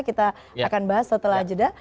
kita akan bahas setelah jeda